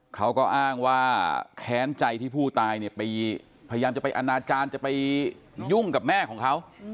เขาก็อ้างว่าแค้นใจที่ผู้ตายเนี่ยไปพยายามจะไปอนาจารย์จะไปยุ่งกับแม่ของเขา